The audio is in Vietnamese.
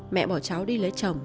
mẹ bảo cháu đi lấy chồng